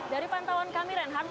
dari pantauan kami reinhardt